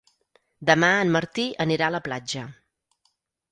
Demà en Martí anirà a la platja.